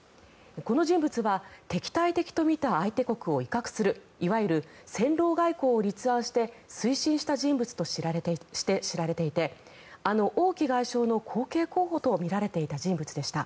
この人物は敵対的と見た相手国を威嚇するいわゆる戦狼外交を立案して推進した人物として知られていてあの王毅外相の後継候補とみられていた人物でした。